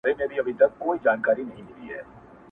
څو ټپې نمکیني څو غزل خواږه خواږه لرم,